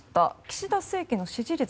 岸田政権の支持率